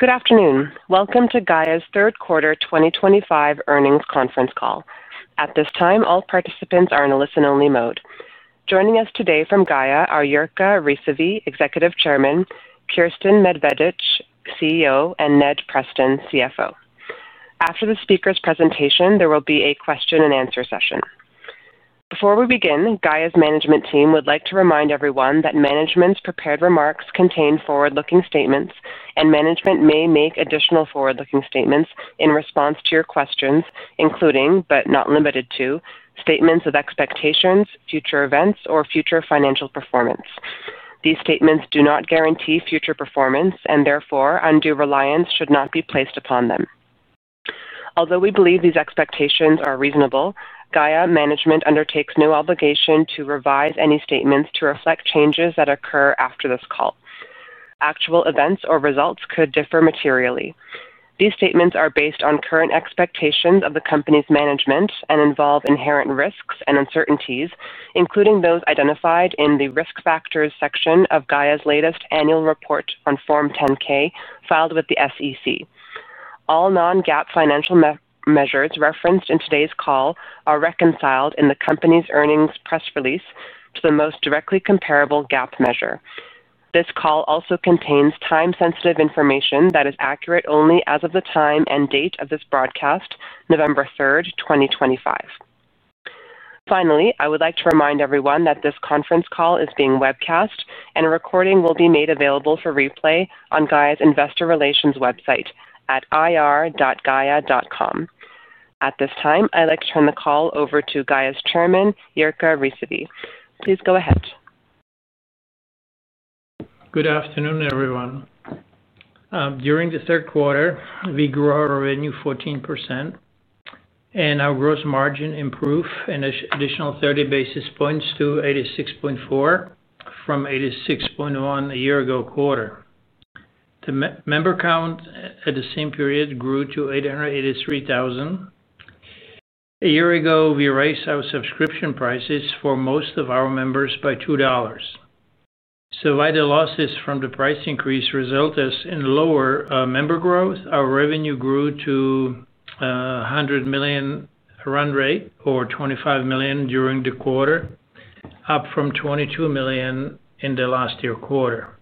Good afternoon. Welcome to Gaia's third quarter 2025 earnings conference call. At this time, all participants are in a listen-only mode. Joining us today from Gaia are Jirka Rysavy, Executive Chairman, Kiersten Medvedich, CEO, and Ned Preston, CFO. After the speakers' presentation, there will be a question-and-answer session. Before we begin, Gaia's management team would like to remind everyone that management's prepared remarks contain forward-looking statements, and management may make additional forward-looking statements in response to your questions, including, but not limited to, statements of expectations, future events, or future financial performance. These statements do not guarantee future performance, and therefore, undue reliance should not be placed upon them. Although we believe these expectations are reasonable, Gaia management undertakes no obligation to revise any statements to reflect changes that occur after this call. Actual events or results could differ materially. These statements are based on current expectations of the company's management and involve inherent risks and uncertainties, including those identified in the risk factors section of Gaia's latest annual report on Form 10-K filed with the SEC. All non-GAAP financial measures referenced in today's call are reconciled in the company's earnings press release to the most directly comparable GAAP measure. This call also contains time-sensitive information that is accurate only as of the time and date of this broadcast, November 3rd, 2025. Finally, I would like to remind everyone that this conference call is being webcast, and a recording will be made available for replay on Gaia's investor relations website at ir.gaia.com. At this time, I'd like to turn the call over to Gaia's chairman, Jirka Rysavy. Please go ahead. Good afternoon, everyone. During the third quarter, we grew our revenue 14%. Our gross margin improved an additional 30 basis points to 86.4% from 86.1% a year ago quarter. The member count at the same period grew to 883,000. A year ago, we raised our subscription prices for most of our members by $2. While the losses from the price increase resulted in lower member growth, our revenue grew to $100 million run rate, or $25 million during the quarter, up from $22 million in the last year quarter.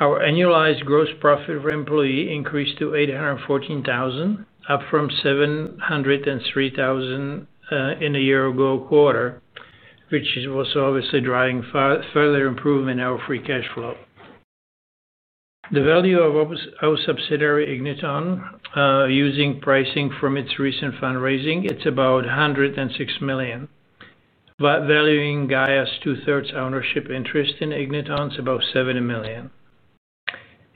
Our annualized gross profit per employee increased to $814,000, up from $703,000 in a year ago quarter, which was obviously driving further improvement in our free cash flow. The value of our subsidiary Igniton using pricing from its recent fundraising, it's about $106 million. Valuing Gaia's two-thirds ownership interest in Igniton, it's about $71 million.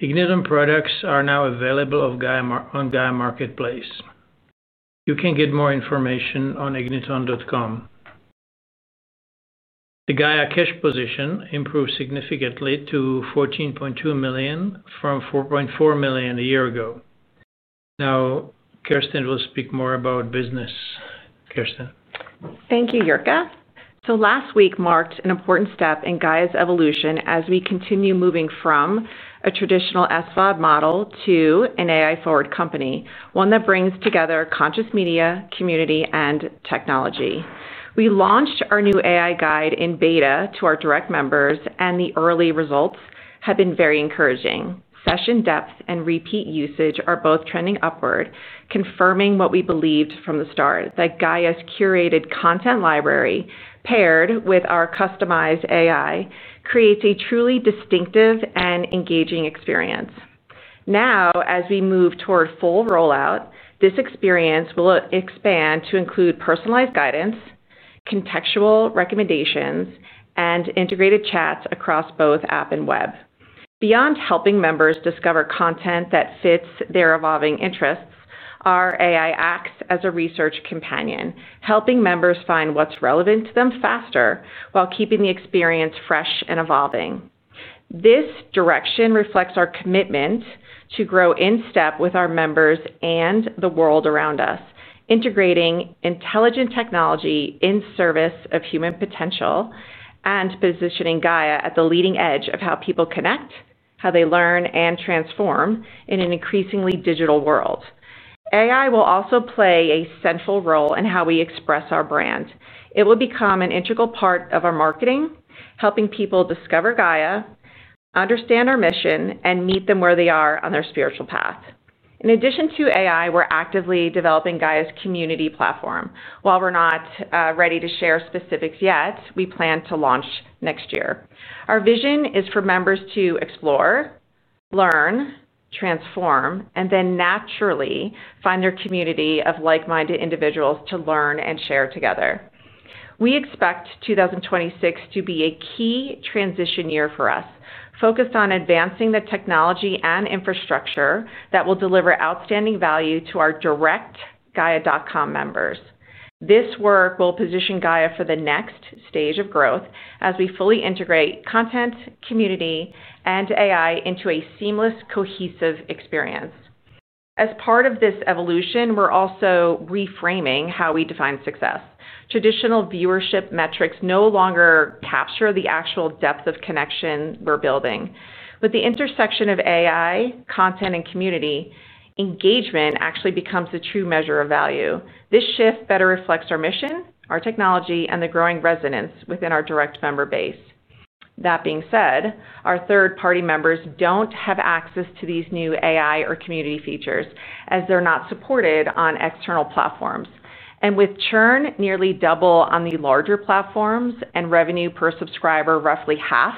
Igniton products are now available on Gaia Marketplace. You can get more information on igniton.com. The Gaia cash position improved significantly to $14.2 million from $4.4 million a year ago. Now, Kiersten will speak more about business. Kiersten. Thank you, Jirka. Last week marked an important step in Gaia's evolution as we continue moving from a traditional SVOD model to an AI-forward company, one that brings together conscious media, community, and technology. We launched our new AI Guide in beta to our direct members, and the early results have been very encouraging. Session depth and repeat usage are both trending upward, confirming what we believed from the start, that Gaia's curated content library, paired with our customized AI, creates a truly distinctive and engaging experience. Now, as we move toward full rollout, this experience will expand to include personalized guidance, contextual recommendations, and integrated chats across both app and web. Beyond helping members discover content that fits their evolving interests, our AI acts as a research companion, helping members find what's relevant to them faster while keeping the experience fresh and evolving. This direction reflects our commitment to grow in step with our members and the world around us, integrating intelligent technology in service of human potential and positioning Gaia at the leading edge of how people connect, how they learn, and transform in an increasingly digital world. AI will also play a central role in how we express our brand. It will become an integral part of our marketing, helping people discover Gaia, understand our mission, and meet them where they are on their spiritual path. In addition to AI, we're actively developing Gaia's community platform. While we're not ready to share specifics yet, we plan to launch next year. Our vision is for members to explore, learn, transform, and then naturally find their community of like-minded individuals to learn and share together. We expect 2026 to be a key transition year for us, focused on advancing the technology and infrastructure that will deliver outstanding value to our direct Gaia.com members. This work will position Gaia for the next stage of growth as we fully integrate content, community, and AI into a seamless, cohesive experience. As part of this evolution, we're also reframing how we define success. Traditional viewership metrics no longer capture the actual depth of connection we're building. With the intersection of AI, content, and community, engagement actually becomes a true measure of value. This shift better reflects our mission, our technology, and the growing resonance within our direct member base. That being said, our third-party members don't have access to these new AI or community features as they're not supported on external platforms. With churn nearly double on the larger platforms and revenue per subscriber roughly half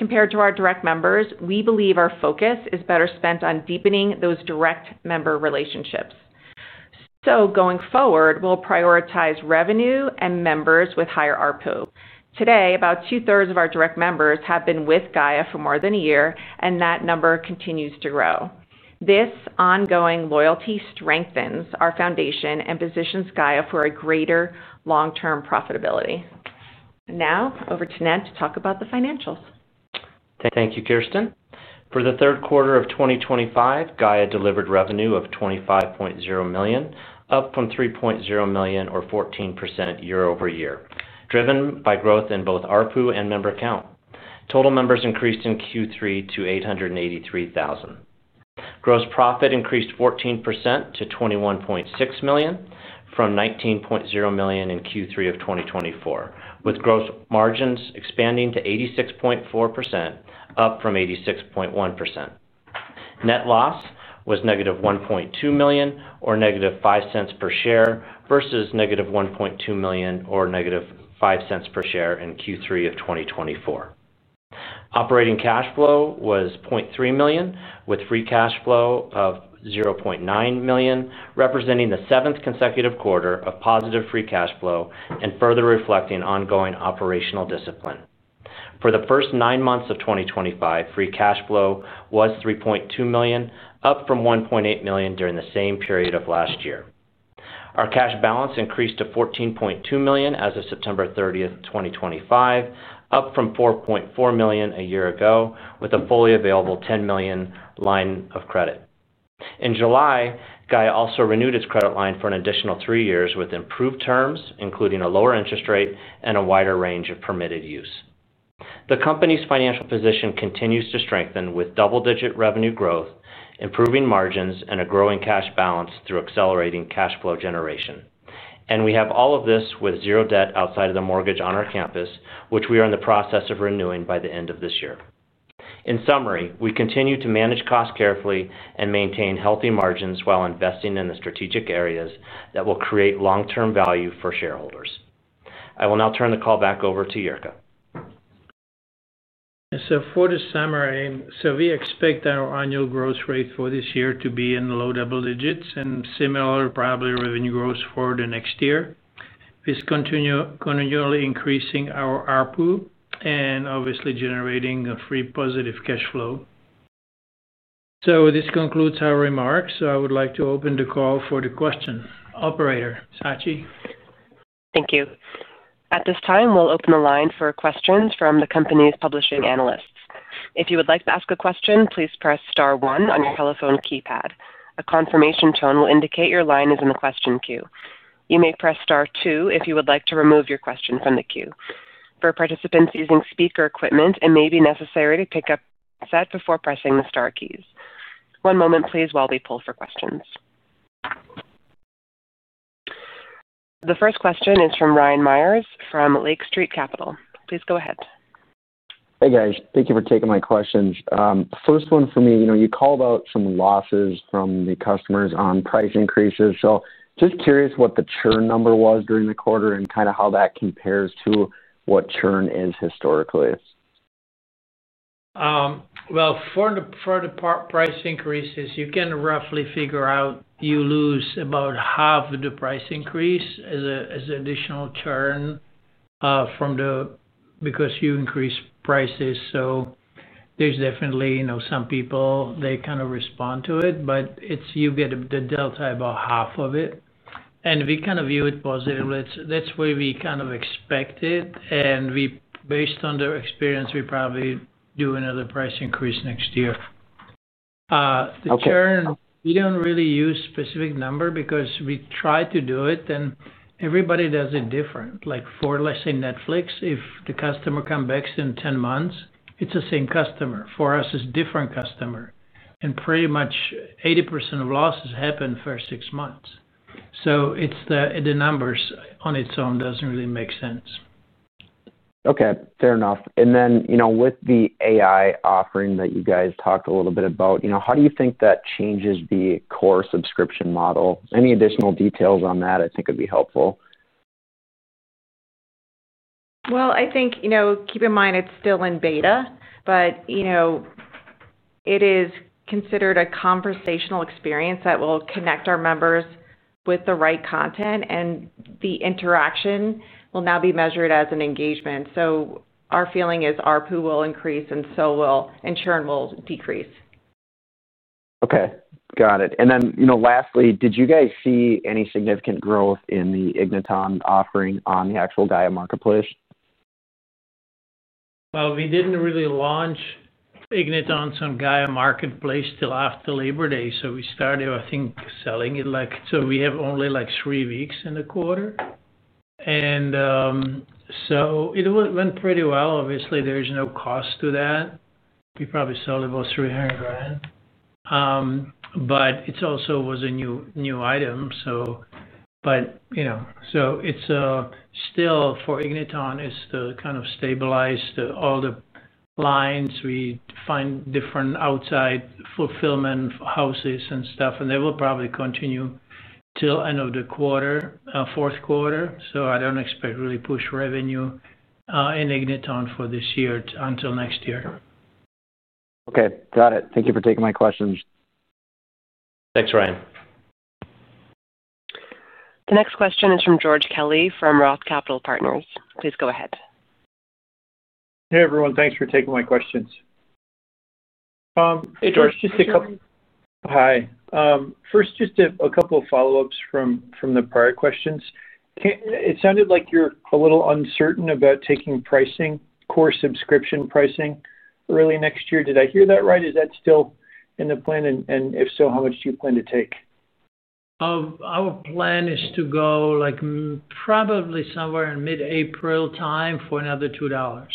compared to our direct members, we believe our focus is better spent on deepening those direct member relationships. Going forward, we'll prioritize revenue and members with higher RPO. Today, about two-thirds of our direct members have been with Gaia for more than a year, and that number continues to grow. This ongoing loyalty strengthens our foundation and positions Gaia for greater long-term profitability. Now, over to Ned to talk about the financials. Thank you, Kiersten. For the third quarter of 2025, Gaia delivered revenue of $25.0 million, up from $22.0 million, or 14% year-over-year, driven by growth in both RPO and member count. Total members increased in Q3 to 883,000. Gross profit increased 14% to $21.6 million from $19.0 million in Q3 of 2024, with gross margins expanding to 86.4%, up from 86.1%. Net loss was negative $1.2 million, or negative $0.05 per share, versus negative $1.2 million or negative $0.05 per share in Q3 of 2024. Operating cash flow was $0.3 million, with free cash flow of $0.9 million, representing the seventh consecutive quarter of positive free cash flow and further reflecting ongoing operational discipline. For the first nine months of 2025, free cash flow was $3.2 million, up from $1.8 million during the same period of last year. Our cash balance increased to $14.2 million as of September 30th, 2025, up from $4.4 million a year ago with a fully available $10 million line of credit. In July, Gaia also renewed its credit line for an additional three years with improved terms, including a lower interest rate and a wider range of permitted use. The company's financial position continues to strengthen with double-digit revenue growth, improving margins, and a growing cash balance through accelerating cash flow generation. We have all of this with zero debt outside of the mortgage on our campus, which we are in the process of renewing by the end of this year. In summary, we continue to manage costs carefully and maintain healthy margins while investing in the strategic areas that will create long-term value for shareholders. I will now turn the call back over to Jirka. For the summary, we expect our annual growth rate for this year to be in the low double digits and similar, probably, revenue growth for the next year. We're continually increasing our RPO and obviously generating a positive free cash flow. This concludes our remarks. I would like to open the call for the question, operator, Sachi. Thank you. At this time, we'll open the line for questions from the company's publishing analysts. If you would like to ask a question, please press star one on your telephone keypad. A confirmation tone will indicate your line is in the question queue. You may press star two if you would like to remove your question from the queue. For participants using speaker equipment, it may be necessary to pick up set before pressing the star keys. One moment, please, while we pull for questions. The first question is from Ryan Myers from Lake Street Capital. Please go ahead. Hey, guys. Thank you for taking my questions. First one for me, you called out some losses from the customers on price increases. Just curious what the churn number was during the quarter and kind of how that compares to what churn is historically. For the price increases, you can roughly figure out you lose about half of the price increase as additional churn because you increase prices. There are definitely some people, they kind of respond to it, but you get the delta about half of it. We kind of view it positively. That is where we kind of expect it. Based on their experience, we probably do another price increase next year. The churn, we do not really use a specific number because we try to do it, and everybody does it different. Like for, let's say, Netflix, if the customer comes back in 10 months, it is the same customer. For us, it is a different customer. Pretty much 80% of losses happen for six months. The numbers on its own do not really make sense. Okay. Fair enough. With the AI offering that you guys talked a little bit about, how do you think that changes the core subscription model? Any additional details on that, I think, would be helpful. I think keep in mind it's still in beta, but it is considered a conversational experience that will connect our members with the right content, and the interaction will now be measured as an engagement. Our feeling is RPO will increase, and churn will decrease. Okay. Got it. Lastly, did you guys see any significant growth in the Igniton offering on the actual Gaia Marketplace? We did not really launch Igniton on Gaia Marketplace till after Labor Day. We started, I think, selling it, so we have only like three weeks in the quarter. It went pretty well. Obviously, there is no cost to that. We probably sold about $300,000. It also was a new item. It is still for Igniton, it is to kind of stabilize all the lines. We find different outside fulfillment houses and stuff, and they will probably continue till end of the quarter, fourth quarter. I do not expect really push revenue in Igniton for this year until next year. Okay. Got it. Thank you for taking my questions. Thanks, Ryan. The next question is from George Kelly from Roth Capital Partners. Please go ahead. Hey, everyone. Thanks for taking my questions. Hey, George. Just a couple. Hi. First, just a couple of follow-ups from the prior questions. It sounded like you're a little uncertain about taking pricing, core subscription pricing early next year. Did I hear that right? Is that still in the plan? If so, how much do you plan to take? Our plan is to go probably somewhere in mid-April time for another $2.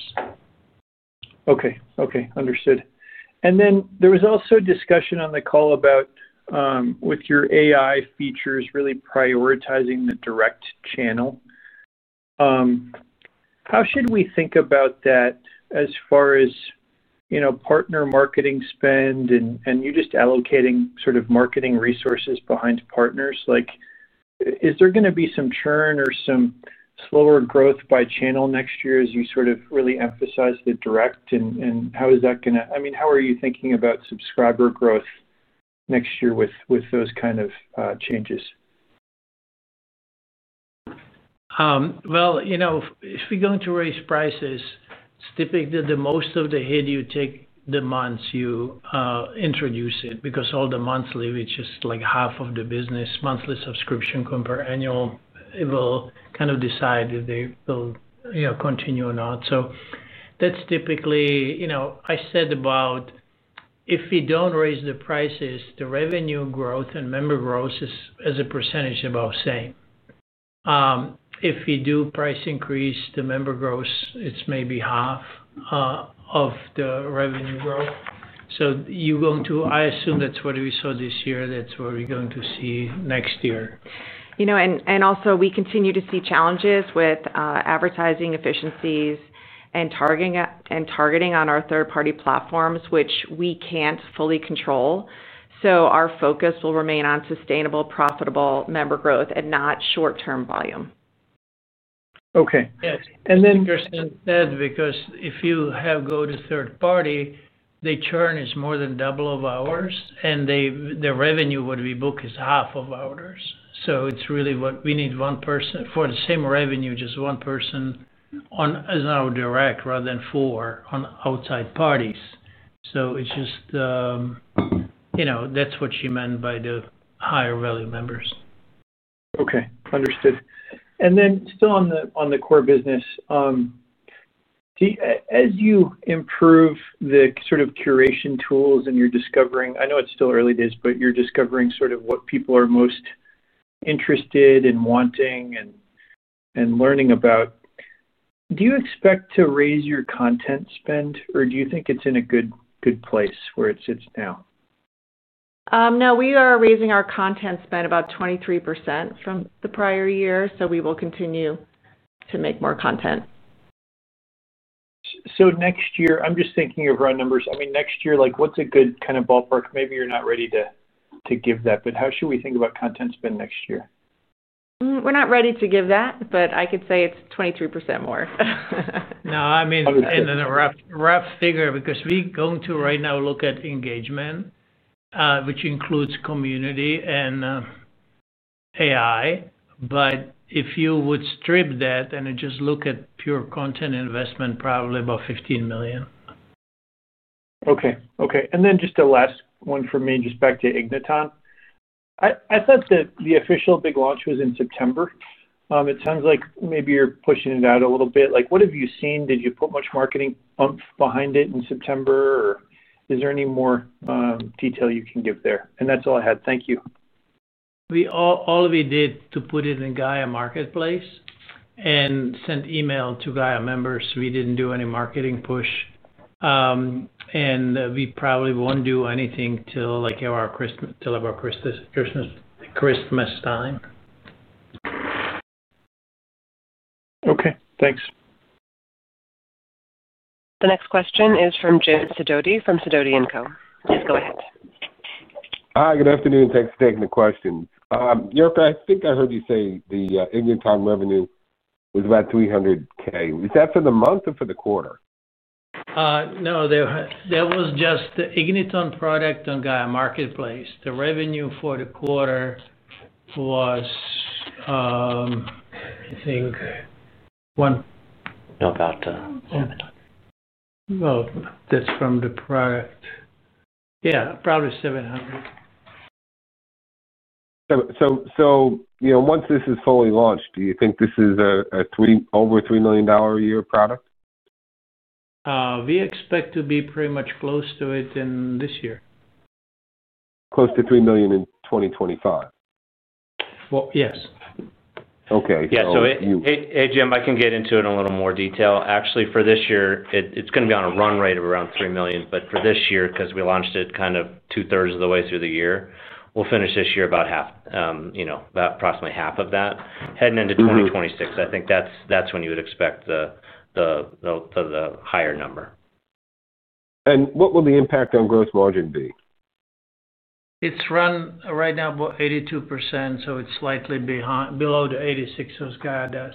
Okay. Okay. Understood. There was also a discussion on the call about, with your AI features really prioritizing the direct channel. How should we think about that as far as partner marketing spend and you just allocating sort of marketing resources behind partners? Is there going to be some churn or some slower growth by channel next year as you sort of really emphasize the direct? How is that going to—I mean, how are you thinking about subscriber growth next year with those kind of changes? If we're going to raise prices, it's typically the most of the hit you take the months you introduce it because all the monthly, which is like half of the business monthly subscription compared to annual, it will kind of decide if they will continue or not. That's typically—I said about. If we don't raise the prices, the revenue growth and member growth is as a percentage about same. If we do price increase, the member growth, it's maybe half of the revenue growth. You're going to—I assume that's what we saw this year. That's what we're going to see next year. We continue to see challenges with advertising efficiencies and targeting on our third-party platforms, which we can't fully control. Our focus will remain on sustainable, profitable member growth and not short-term volume. Okay. Then. That's because if you have go-to third party, the churn is more than double of ours, and the revenue would be booked as half of ours. It is really what we need: one person for the same revenue, just one person. On our direct rather than four on outside parties. That is what she meant by the higher value members. Okay. Understood. Still on the core business. As you improve the sort of curation tools and you're discovering—I know it's still early days, but you're discovering sort of what people are most interested in wanting and learning about. Do you expect to raise your content spend, or do you think it's in a good place where it sits now? No, we are raising our content spend about 23% from the prior year, so we will continue to make more content. Next year, I'm just thinking of our numbers. I mean, next year, what's a good kind of ballpark? Maybe you're not ready to give that, but how should we think about content spend next year? We're not ready to give that, but I could say it's 23% more. No, I mean, and then a rough figure because we're going to right now look at engagement, which includes community and AI. But if you would strip that and just look at pure content investment, probably about $15 million. Okay. Okay. And then just a last one for me, just back to Igniton. I thought that the official big launch was in September. It sounds like maybe you're pushing it out a little bit. What have you seen? Did you put much marketing pump behind it in September? Or is there any more detail you can give there? And that's all I had. Thank you. All we did to put it in Gaia Marketplace and sent email to Gaia members. We didn't do any marketing push. We probably won't do anything till our Christmas time. Okay. Thanks. The next question is from Jim Sidoti from Sidoti & Company. Please go ahead. Hi, good afternoon. Thanks for taking the question. Jirka, I think I heard you say the Igniton revenue was about $300,000. Was that for the month or for the quarter? No, that was just the Igniton product on Gaia Marketplace. The revenue for the quarter was, I think. No, about. That's from the product. Yeah, probably 700. Once this is fully launched, do you think this is an over $3 million a year product? We expect to be pretty much close to it in this year. Close to $3 million in 2025? Well, yes. Okay. Yeah. So hey, Jim, I can get into it in a little more detail. Actually, for this year, it's going to be on a run rate of around $3 million. For this year, because we launched it kind of two-thirds of the way through the year, we'll finish this year about, approximately half of that. Heading into 2026, I think that's when you would expect the higher number. What will the impact on gross margin be? It's run right now about 82%, so it's slightly below the 86% Gaia does.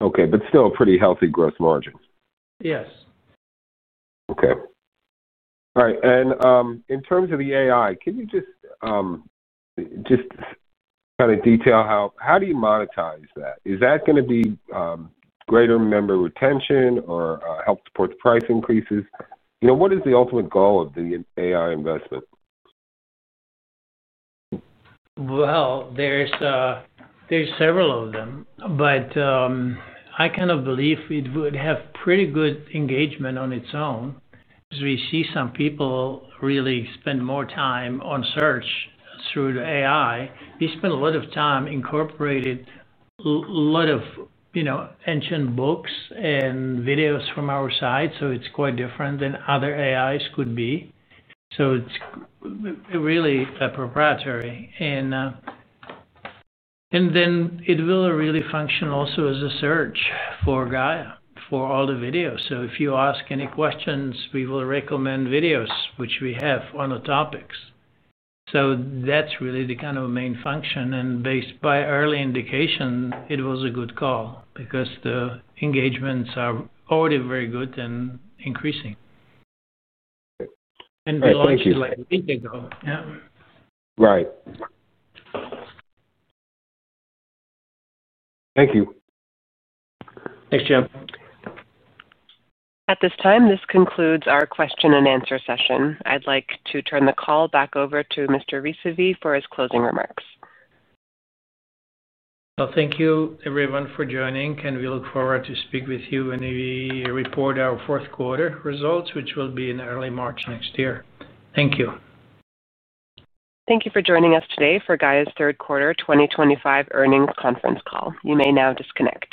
Okay. But still a pretty healthy gross margin? Yes. Okay. All right. In terms of the AI, can you just kind of detail how do you monetize that? Is that going to be greater member retention or help support the price increases? What is the ultimate goal of the AI investment? There are several of them, but I kind of believe it would have pretty good engagement on its own because we see some people really spend more time on search through the AI. We spend a lot of time incorporated a lot of ancient books and videos from our side. It is quite different than other AIs could be. It is really proprietary. It will really function also as a search for Gaia for all the videos. If you ask any questions, we will recommend videos, which we have on the topics. That is really the kind of main function. Based by early indication, it was a good call because the engagements are already very good and increasing. Okay. Thank you. We launched it like a week ago. Yeah. Right. Thank you. Thanks, Jim. At this time, this concludes our question and answer session. I'd like to turn the call back over to Mr. Rysavy for his closing remarks. Thank you, everyone, for joining. We look forward to speaking with you when we report our fourth quarter results, which will be in early March next year. Thank you. Thank you for joining us today for Gaia's third quarter 2025 earnings conference call. You may now disconnect.